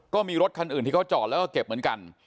ก็มีรถคันอื่นที่เขาจอดแล้วก็เก็บเหมือนกัน